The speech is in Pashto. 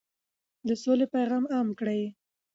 د سولې پیغام عام کړئ.